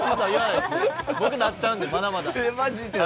僕、なっちゃうんでまだまだ。